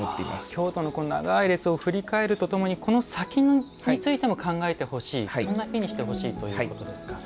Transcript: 京都の長い列を振り返るとともにこの先についても考えてほしいそんな日にしてほしいということですか。